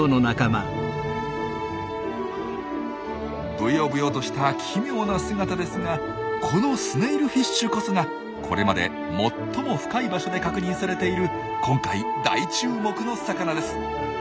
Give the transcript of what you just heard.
ぶよぶよとした奇妙な姿ですがこのスネイルフィッシュこそがこれまで最も深い場所で確認されている今回大注目の魚です。